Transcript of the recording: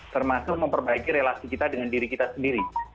termasuk memperbaiki relasi kita dengan diri kita sendiri